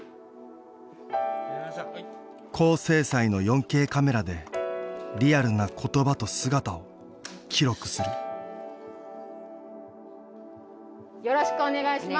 高精細の４Ｋカメラでリアルな「言葉」と「姿」を記録するよろしくお願いします。